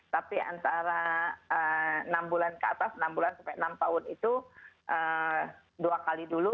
tapi antara enam bulan ke atas enam bulan sampai enam tahun itu dua kali dulu